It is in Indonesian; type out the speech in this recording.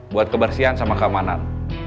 buat kebersihan sama keamanan